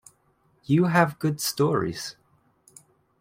You have good stories.